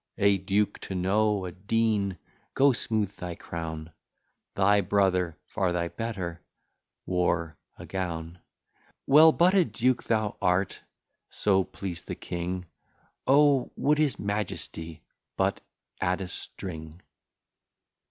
A duke to know a dean! go, smooth thy crown: Thy brother(far thy better) wore a gown. Well, but a duke thou art; so please the king: O! would his majesty but add a string!